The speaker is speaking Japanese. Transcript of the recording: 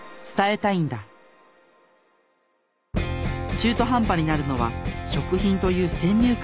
中途半端になるのは食品という先入観があるから。